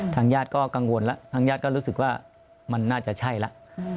ทางญาติก็กังวลแล้วทางญาติก็รู้สึกว่ามันน่าจะใช่แล้ว